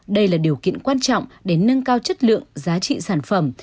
đây là điều kiện quan trọng để nâng cao chất lượng giá trị sản phẩm